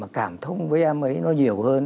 mà cảm thông với em ấy nó nhiều hơn